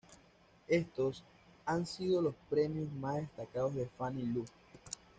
Estos han sido los premios más destacados de Fanny Lu.